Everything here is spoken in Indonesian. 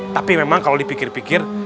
tapi memang kalau dipikir pikir